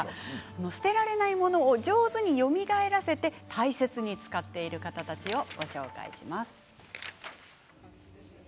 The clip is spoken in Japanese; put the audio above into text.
捨てられないものを上手によみがえらせて大切に使っている方たちをご紹介します。